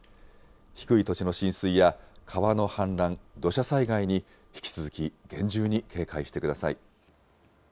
低い土地の浸水や川の氾濫、土砂災害に引き続き厳重に警戒してください。